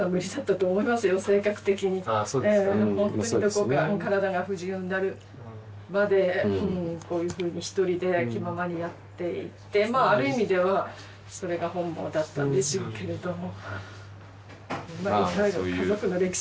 ほんとにどこか体が不自由になるまでこういうふうにひとりで気ままにやっていってまあある意味ではそれが本望だったんでしょうけれども。